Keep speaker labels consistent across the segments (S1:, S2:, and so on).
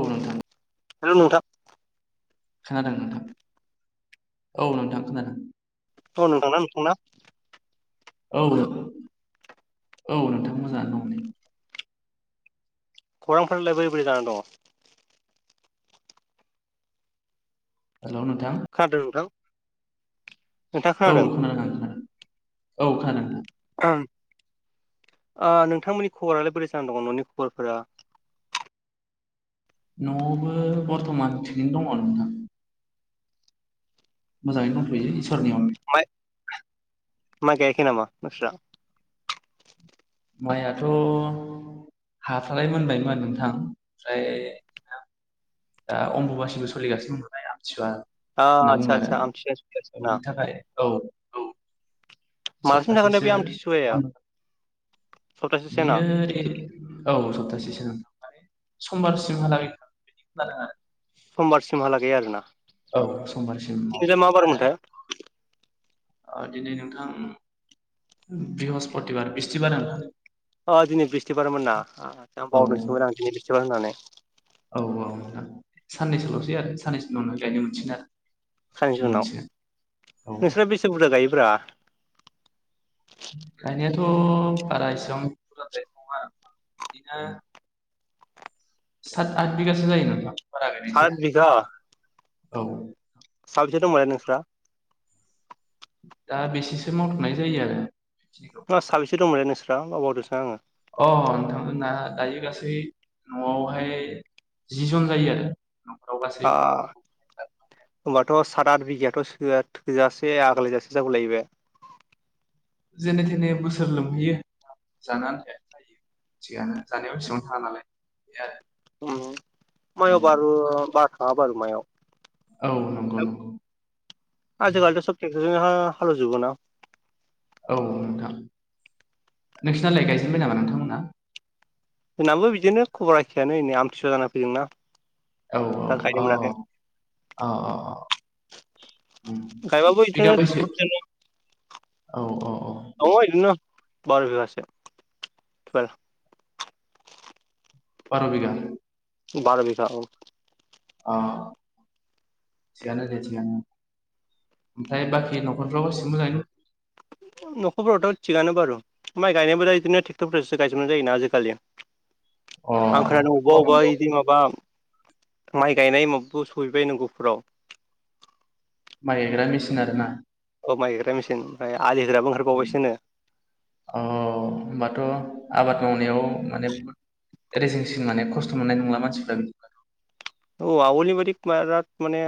S1: औ नोंथां
S2: हेल' नोंथां।
S1: खोनादों नोंथां औ नोंथां खोनादों।
S2: औ नोंथांना नोंथांना।
S1: औ औ नोंथां मोजाङानो दं दे।
S2: खौरांफोरालाइ बोरै बोरै जानानै दङ'।
S1: हेलौ नोंथां।
S2: खोनादों नोंथां।
S1: औ खोनादों नोंथां। औ खोनादों नोंथां।
S2: ओ नोंथांमोननि खबरालाय बोरै जाना दङ' न'नि खबरफोरा?
S1: न'आवबो बरथमान थिगैनो दङ' नोंथां। मोजाङै दंथ'यो इसोरनि अननायाव।
S2: मा माइ गायाखै नामा नोंस्रा?
S1: माइयाथ' हाफ्रालाय मोनबायमोन नोंथां ओमफ्राय दा अमबुबासिबो सोलिगासिनो दं नालाय आं। आथिसुवा
S2: आ
S1: होनना
S2: आदसा
S1: बुङो आरो
S2: आदसा आमथिसुवा सफैगासिनो ना
S1: बिनि थाखाय औ औ।
S2: मालासिम थागोनथाय
S1: सप्तासेसो
S2: बे आमथिसुवाया सप्तासेसो ना
S1: बियो ओरै औ सप्तासेसो नों थां समबारसिमहालागै थागोन बायदि खोनादों आरो
S2: समबारसिमहालागैय आरोना
S1: औ समबारसिम
S2: बेनिफ्राय दिनैलाय मा
S1: मावजोबगोन आरो
S2: बारमोनथाय।
S1: दिनै नोंथां बृहस्पतिबार बिस्थिबार नोंथां।
S2: अ दिनै बिस्थिबारमोनना
S1: औ
S2: बावदोंसोमोन आं दिनै बिस्थिबार होननानै।
S1: औ औ नोंथां साननैसो ल'सै आरो साननैसो उनावनो गायनो मोनसिगोन आरो।
S2: साननैसो
S1: फुफिननो
S2: उनाव
S1: मोनसिगोन औ
S2: नोंसोरा बेसे बुरजा गायो? [inaudible]
S1: गायनायाथ' बारा इसेबां बुरजाद्राय नङा आरो बिदिनो सा आठ बिघाासो जायो नोंथां। बारा गायनाय
S2: सात
S1: जाया
S2: बिगा।
S1: औ।
S2: साबैसे दंमोनलाय नोंस्रा?
S1: दा बेसेसो मावथांनाय जायो आरो। बेखिनिखौ
S2: साबेसे दंमोनलाय नों बावगारदोंसो आङो।
S1: अ नोंथांमोन दायो गासै न'आवहाय जि जन जायो आरो। न'खराव गासै
S2: आ
S1: गथ'
S2: होनबाथ' स- सात आथ बिगायाथ' सोआ थोजासे आग्लायजासे जागुलायो बे
S1: जेने थेने बोसोर लोमहैयो जानो आन्थाया जायो थिगानो जानायाव एसेबां थाङा नालाय बे आरो
S2: [unintelligible]
S1: औ
S2: बालमायाव
S1: औ नंगौ नंगौ
S2: जोंहा हालोवजोबो ना
S1: औ नोंथां नोंसिनालाय गायजेनबाय नामा नोंथांमोना?
S2: जोंनाबो बिदिनो खबर एखेयानो नै आमथिसुवा जाना फैदों ना
S1: औ औ औ अ अ उम
S2: गायबाबो बिदिनो
S1: बिगा बैसे
S2: ट्रेकटरफोरजोंनो
S1: औ औ औ
S2: दं इदिनो बार' बिगासो [inaudible]
S1: बार' बिगा
S2: बार' बिगा औ
S1: अ थिगानो दे थिगानो ओमफ्राय बाखि न'खरफ्राव एसे मोजाङैनो दं -
S2: न'खरफ्रावथ' थिगानो आरो माइ गायनायबो बिदिनो ट्रेक्ट'रफोरजोंसो गायजोबनाय जायोना आजिखालि
S1: अ
S2: आंखोनादों
S1: नंगौ
S2: अबा अबा
S1: नंगौ
S2: इदि माबा माइ गायनाय [unintelligible]
S1: माइ गायग्रा मेसिन आरो ना?
S2: औ माइ गायग्रा मेसिन आलि होग्राबो ओंखारबावबायसोनो
S1: अ होमबाथ' आबाद मावनायाव माने रेजेंसिन माने खस्थ' मोननाय नंला मानसिफ्रा बिदि
S2: औ आवलि बादि बिराद माने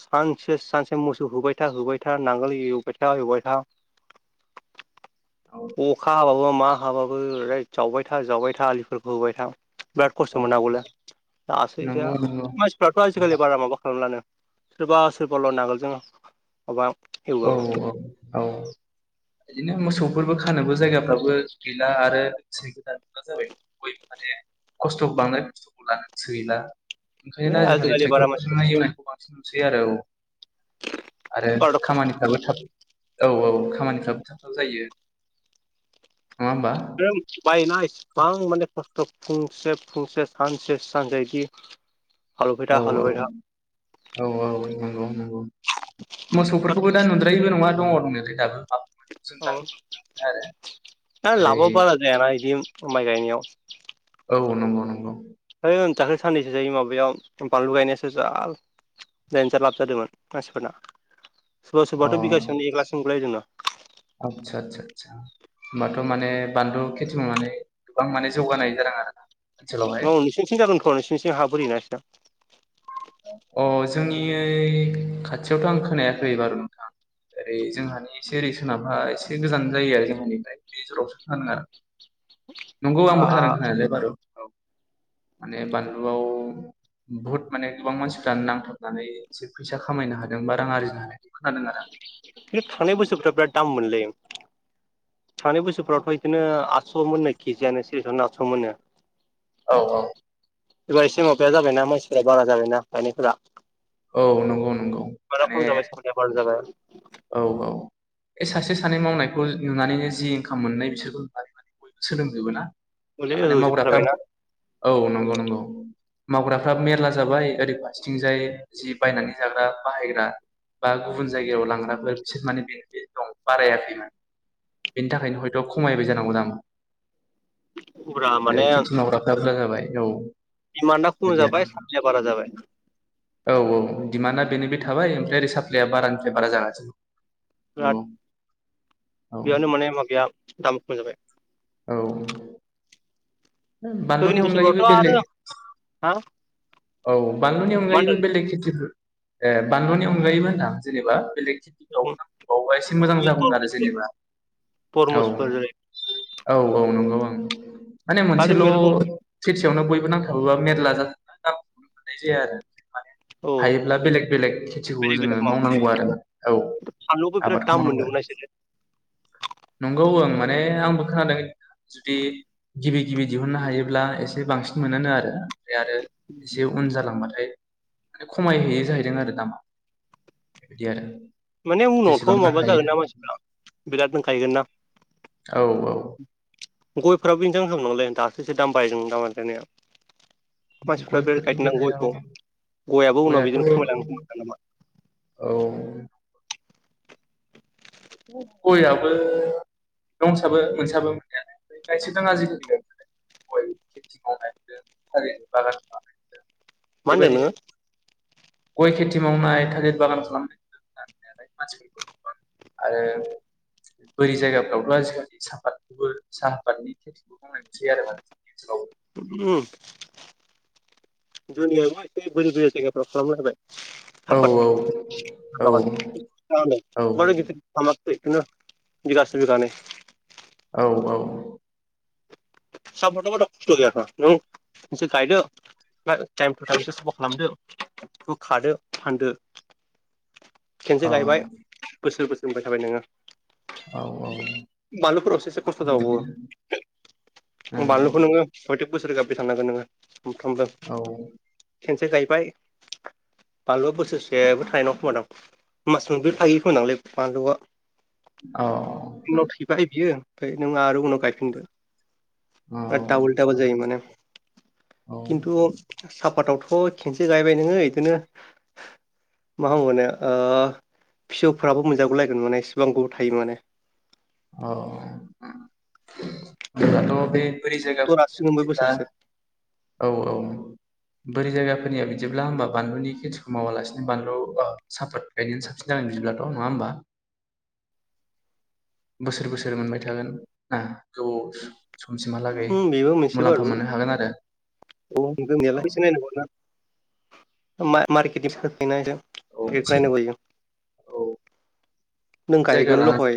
S2: सानसे सानसे मोसौ होबाय था होबाय था नांगोल एवबाय था एवबाय था
S1: औ
S2: अखा हाबाबो मा हाबाबो ओरोद जावबाय था जावबाय था आलिफोरखौ खोबाय था बिराद खस्थ'
S1: औ
S2: मोन आगौल दासो एसे
S1: नंगौ नंगौ
S2: मानसिफ्राथ' आजिखालि बारा माबा खालामलानो सोरबा सोरबााल' नगोल जों माबा एवो
S1: औ
S2: है
S1: औ औ बिदिनो मोसौफोरबो खानोबो जायगाफ्राबो गैला आरो गोसैबो गोदान जाबाय बयबो माने खस्थ' बांद्राय खस्थ'खौ लानो गोसो गैला ओंखायनो आजिखालि
S2: बारा मानसिफोर
S1: ट्रेक्टरफोरजोंहाय एउनायखौ बांसिन बै आरो औ
S2: [unintelligible]
S1: मानसिफ्राबो थाब औ औ खामानिफ्राबो थाबथाब जायो नङा होमबा
S2: ओं बायनाय फां माने खस्थ' फुंसे फुंसे सानसे सानजायदि
S1: औ-औ औ-औ नंगौ-नंगौ मोसौफोरखौबो दा नुद्रायिबो नङा दङ दङनायाला दाबो। जों
S2: औ
S1: गामिफ्राव आरो
S2: ओ
S1: ओरै
S2: लाबबो बारा जायानादि माइ गायनायाव
S1: औ नंगौ-नंगौ
S2: है दाख्लै साननैसो जायो माबायाव बानलु गायनायासो जा देन्जार लाब जादोंमोन मानसिफोरना। सोरबा सोरबाथ'
S1: अ
S2: बिगासेनि एग्लाकसिम मोनलायदोंनो।
S1: होनबाथ' माने बानलु खेथि मावनानै गोबां माने जौगानाय जादों आरोना?
S2: औ नोंसिनिथिं जागोनथ' नोंसोरनिथिं हा बोरि ना एसे
S1: अ जोंनि खाथियावथ' आं खोनायाखै बारु नोंथां ओरै जोंहानि एसे ओरै सोनाबहा एसे गोजान जायो जोंहानिफ्राय बे जरावसो फानो आरो नंगौ
S2: आ
S1: आंबो खोनादों खोनानाया बारु औ माने बानलुआव बहुत माने गोबां मानसिफ्रानो नांथाबनानै एसे फैसा खामायनो हादों बा रां आरजिनो हादों खोनादों आरो।
S2: खिन्थु थांनाय बोसोरफाव बिराद दाम मोनलै थांनाय बोसोरफ्रावथ' बिदिनो आठस' मोननो केजियनो सेरसेयावनो आठस' मोननो।
S1: औ-औ
S2: एबा एसे माबाया जाबायना मानसिफोरारा बारा जाबायना गायनायफोरा
S1: औ नंगौ-नंगौ
S2: बिबारा खम
S1: माने
S2: जाबाय साप्लाया बारा जाबाय
S1: औ-औ बे सासे सानै मावनायखौ नुनानैनो जि इंखाम मोननाय बिसोरखौ नुनानै माने बयबो सोलोंजोबो ना?
S2: मुलि
S1: थारमाने मावग्राफ्राबो
S2: होजोबथारबायना
S1: औ नंगौ-नंगौ मावग्राफ्रा मेरला जाबाय ओरै फारथिंजाय जि बायनानै जाग्रा बाहायग्रा बा गुबुन जायगायाव लांग्रा बिसोर माने बेनिफिट दं बारायाखैमोन बेनि थाखायनो हयथ' खमायबाय जानांगौ दामा।
S2: फुरा
S1: ओरै
S2: माने
S1: खेथि मावग्राफ्रा बुरजा जाबाय औ
S2: दिमान्डआ खम
S1: बिदि आरो
S2: जाबाय साप्लाया बारा जाबाय
S1: औ-औ दिमान्दआ बिनो बे थाबाय ओमफ्राय ओरै साप्लाया बारानिफ्राय बारा जागासिनो। औ
S2: बियावनो माने मा बिया दाम खम जाबाय
S1: औ बानलुनि
S2: थनिसोलथ'
S1: अनगायैबो बेलेग
S2: आरो हा
S1: औ बानलुनि
S2: मा
S1: अनगायैबो
S2: होनदों
S1: बेलेग खेथिफोर ए बानलुनि अनगायैबो होनदां जेनेबा बेलेग गावबा-गावबा एसे मोजां जागोमोन आरो जेनेबा औ।
S2: तरमुसफोर जेरै
S1: औ-औ नंगौ ओं माने
S2: आरो
S1: मोनसेल'
S2: मेरला दं
S1: यावनो बयबो नांथाबोबा मेरला [unintelligible] मोननाय जाया आरो।
S2: औ
S1: हायोब्ला बेलेग बेलेग खेथिखौ
S2: बेलेग
S1: जोङो
S2: बेलेग मावनो
S1: मावनांगौ आरो औ
S2: फानलुबो बिराद
S1: आबादखौ
S2: दाम
S1: मावनांगौ आरो
S2: मोनदोंमोन बिसोरो
S1: नंगौ ओं माने आंबो खोनादों जुदि गिबि गिबि दिहुननो हायोब्ला एसे बांसिन मोनो आरो ओमफ्राय आरो एसे उन जालांबाथाय खमायहैयै जाहैदों आरो दामा बिदि आरो।
S2: माने उनावथ'
S1: जेसेबांनो
S2: माबा
S1: हायो
S2: जागोनना मानसिफ्रा बिराद
S1: औ
S2: [unintelligible] गयफ्राबो [unintelligible] दासो एसे दाम बायदों [unintelligible] मानसिफ्रा बेराद
S1: गयफोरनि
S2: गायदोंना
S1: बेलायाव
S2: गयखौ गयाबो उनाव
S1: गयाथ'
S2: बिदिनो खमायलांनो [unintelligible]
S1: औ गयाबो दंसाबो मोनसाबो मोननायालाय गायसोदों आजिखालि [unintelligible]
S2: मा होनदों
S1: बेबायदिनो
S2: नोङो
S1: गय खेथि मावनाय थालिर बागान खालामनाय [unintelligible] आरो बोरि जायगाफ्रावथ' आजिखालि साहाफादबो साहाफादनि [unintelligible]
S2: ओम जोंनियाबो एसे बोरि बोरि जायगाफ्राव खालामलायबाय
S1: औ
S2: साफाद
S1: औ
S2: [unintelligible] बिदिनो बिगासे बिगानै
S1: औ औ
S2: साफादाव [unintelligible] खस्थ' गैयाथ' नों [unintelligible] गायदो टाइम टु टाइमस साफा खालामदो बेखौ खादो फानदो। खेनसे
S1: अ
S2: गायबाय बोसोर बोसोर मोनबाय थाबाय नोङो
S1: औ औ
S2: बानलुफोरावसो एसे खस्थ' जाबावओ
S1: बिदिनो
S2: बानलुखौ नोङो [unintelligible] नोंङो
S1: ओं
S2: [unintelligible] खेनसे गायबाय बानलुआ बोसोरसेबो थायनाय नङा खोमा दां मास मोन ब्रै थायो खोमाादांलै बानलुआ
S1: औ
S2: जोंनाव थैबाय बियो ओमफ्राय नों आरो उनाव गायफिनदो
S1: औ
S2: दाबल दाबल जायो माने
S1: औ
S2: खिन्थु आफादावथ' खेनसे गायबाय नोङो बिदिनो मा होनबावनो ओ फिसौफ्राबो मोनजागुलायगोन माने इसेबां गोबाव थायो माने
S1: अ ओम [unintelligible] बे बोरि जायगाफोरनिया
S2: जरासेनो ओमफ्राय
S1: बिदिब्ला
S2: बोसोरसे
S1: औ औ बोरि जायगाफोरनिया बि बिदिब्ला होमबा बानलुनि खेथिखौ मावालासिनो बानलु ओ साफत गायनायानो साबसिन जागोन बिदिब्लाथ' नङा होनबा बोसोर बोसोर मोनबाय थागोन ना गोबाव समसिमहालागै
S2: ओम बेबो मोनसे
S1: मुलाम्फा
S2: बारु
S1: मोननो हागोन आरो
S2: औ [unintelligible]
S1: औ
S2: नायनांगौ मा मारकेटनि [unintelligible]
S1: औ औ
S2: नों
S1: जायगा
S2: गायगोनल'
S1: लानानै
S2: हय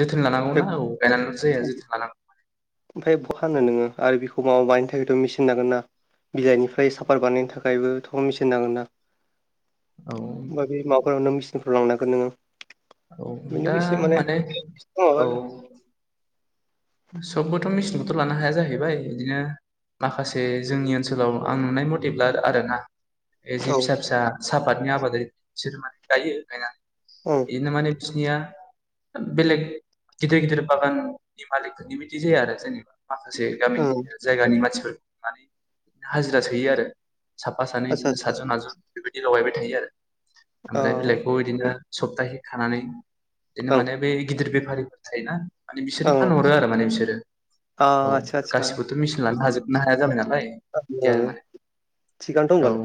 S1: जोथोन लानांगौना
S2: ओमफ्राय
S1: औ गायनानैल जाया जोथोन लानांगौ।
S2: ओमफ्राय बहा हानो नोङो आरो बेखौ माबा बानायनो थाखायथ मेचिन नांगोन ना बिलाइनिफ्राय साफात बानायनो थाखायबोथ मेचिन नांगोन ना।
S1: औ
S2: माबि माव फोराननो मेसिनफ्राव लांनागोन नोङो
S1: औ दा
S2: बेनो एसे
S1: माने औ सबबोथ' मेचिनखौथ' लानो हाया जाहैबाय इदिनो माखासे जोंनि ओनसोलाव आं नुनाय मथेब्ला आर आरोना एह जे
S2: औ
S1: फिसा फिसा आफादनि आबादारि बिसोरो माने गायो गायना
S2: ओं
S1: इनो माने बिसिनिया बेलेग गिदिर गिदिर बागान मालिक फोरनि बादि जाया आरो जोंनिबा माखासे गामि
S2: ओं
S1: जायगानि मानसिफोर मारै हाजिरा सोयो आरो साफा सानै
S2: आदसा
S1: इदिनो
S2: आदसा
S1: सातजन आतजन बिबा दि लगायबाय थायो आरो आमफ्राय बिलाइखौ इदिनो सप्ताहै खानानै बिदिनो
S2: ओं
S1: माने बे गिदिर बे‌ बेफारिफोर थायोना मानि बिसोरो
S2: ओं
S1: फानहरो आरो माने बिसोरो औ
S2: आदसा
S1: गासिबोथ' मिसिन लानो हाजोब नो हाया जाबायना
S2: [unintelligible] थिगानो
S1: औ
S2: दंबालाय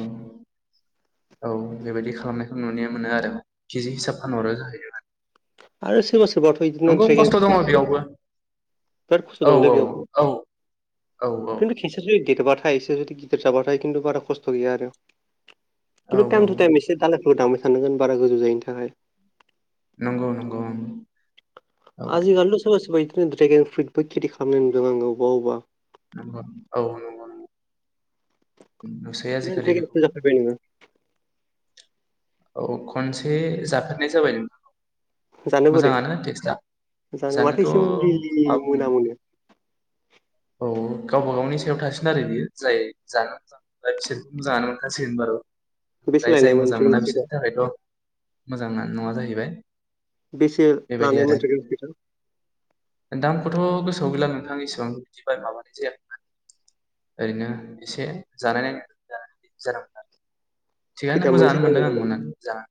S1: औ बेबायदि खालामनायखौ नुनाया मोनो आरो केजि हिसाब फानहरो जाहैदों आरो।
S2: आरो सोरबा सोरबाथ' इदिनो ड्रेगेन
S1: दङ
S2: फ्रुइट
S1: बेयावबो
S2: बिराद खस्थ'
S1: औ
S2: दंलै
S1: औ
S2: बेयावबो
S1: औ औ
S2: खिन्थु खिसोर जदि देरबाथायसोर जदि फिसा फिसाबाथाय खिन्थू बारा खस्थ' गैया आरो
S1: औ
S2: खिन्थु
S1: औ
S2: थाइम थु थाइम इसे दालाइखौ दानबाय सानांगोन बारा गोजौ जायिनि थाखाय
S1: नंगौ नंगौ ओं औ
S2: आजि खालि सोरबा सोरबा इदि बि ड्रेगेन फ्रुइट बो खेथि खालामनाय नुदों आङो अबबा अबबा।
S1: औ नंगौ नंगौ नुसै
S2: नों
S1: आजिखालि
S2: द्रेगेन फिथाइ
S1: बेखौबो
S2: जाफेरबाय नोङो?
S1: औ खनसे जाफेरनाय जाबाय नोंथां औ।
S2: जानो बोरै
S1: मोजाङानो टेक्स्टआ
S2: जानो माथो
S1: जानोथ'
S2: एसे मुलिनि
S1: मा
S2: मोना
S1: बुंनो
S2: मोनो
S1: औ गावबा गावनि सायाव थासिन आरो बियो जाय जानो मोजां बिसोरखौ मोजाङानो मोनखासै होन बार'
S2: बे सोलायनायमोन [inaudible]
S1: मोजांना न'आ जाहैबाय।
S2: बेसे
S1: बेबायदि
S2: लानाय
S1: आरो
S2: [inaudible]
S1: खौथ' गोसोआव गैला नोंथां इसेबां बिदि माबानाय जायामोन ओरैनो एसे जानाय नायनो ज जानो आरो।
S2: [inaudible]
S1: जा।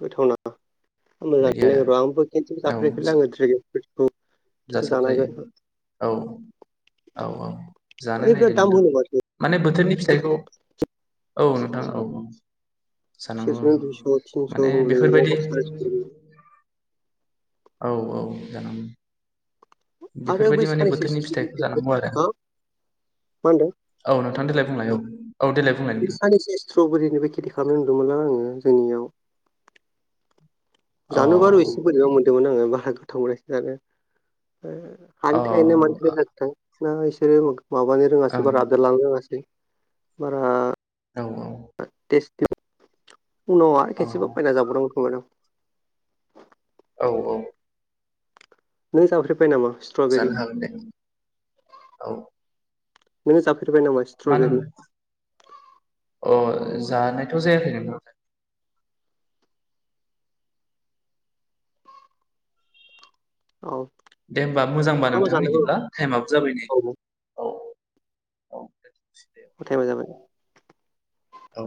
S2: गोथावना। आं मोजानो नौ र' आंबो खिन्थु जाफेराफै आङो खेबसे
S1: जासाब
S2: जानांगोन
S1: जायो औ औ औ जानाय
S2: ओरै
S1: नायदो
S2: बिराद दाम
S1: नोंथां
S2: होनो माथो
S1: माने बोथोरनि फिथाइखौ औ नोंथां औ औ। जानांगौ औ
S2: [inaudible]
S1: माने
S2: '
S1: बेफोरबायदि
S2: थिनस' [inaudible]
S1: औ औ जानां।
S2: आरो बै
S1: बेफोरबायदि माने
S2: साननैसो
S1: बोथोरनि फिथाइखौ
S2: स्ट्रबेरिबो
S1: जानांगौ आरो
S2: हा मा होनदों
S1: औ नोंथां दाय। थांनायाव।
S2: बे साननैसो स्ट्रबेरिनिबो खेथि खालामनाय नुदोंमोनलां आङो। जोंनियाव।
S1: अ
S2: जानो बारु एसे बोरैबा मोनदोंमोन आङो। बार गथ मोन आरो। आनथायनो मोनथै
S1: अ
S2: लाथ। ना इसोरो [inaudible] माबानो रोङासै बा
S1: ओं
S2: राददार लानो रोङासै। बारा।
S1: औ औ।
S2: तेसटिं। उन आरो
S1: औ
S2: खेसेबाय ना जाबदो [inaudible]
S1: औ औ।
S2: नै जाफ्रिबाय नामा। स्ट्रबेरि
S1: जानो हागोन दे औ।
S2: नोङो जाफेरबाय नामा
S1: मा
S2: स्ट्रबेरि।
S1: होनो अ जानायथ' जायाखै नोंथां।
S2: औ
S1: दे होमबा मोजांबा
S2: मा मा
S1: नोंथां
S2: जानांगौ
S1: बिदिब्ला टाइमाबो जाबाय नै। औ औ
S2: [unintelligible]
S1: औ।